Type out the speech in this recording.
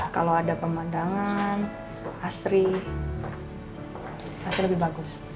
kalau ada pemandangan asri pasti lebih bagus